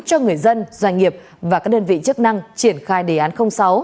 cho người dân doanh nghiệp và các đơn vị chức năng triển khai đề án sáu